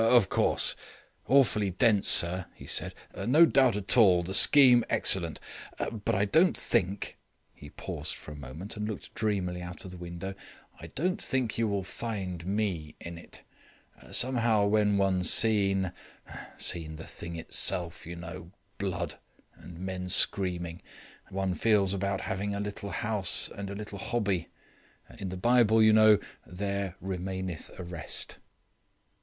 "Of course; awfully dense, sir," he said. "No doubt at all, the scheme excellent. But I don't think " He paused a moment, and looked dreamily out of the window. "I don't think you will find me in it. Somehow, when one's seen seen the thing itself, you know blood and men screaming, one feels about having a little house and a little hobby; in the Bible, you know, 'There remaineth a rest'."